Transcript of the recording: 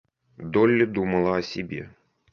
Долли думала о себе.